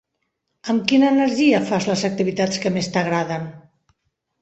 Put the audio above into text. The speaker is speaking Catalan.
Amb quina energia fas les activitats que més t'agraden?